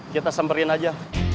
kita sembarin aja